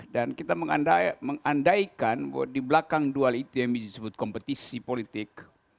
dan kita mengandaikan di belakang duel itu yang disebut kompetisi politik